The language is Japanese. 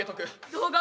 動画？